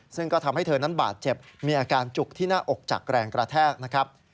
ซึ่งก็ทำให้เธอนั้นบาดเจ็บมีอาการจุกที่หน้าอกจากแรงกระแทกนะครับ